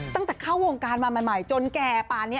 ตั้งแต่เข้าวงการมาใหม่จนแก่ป่านนี้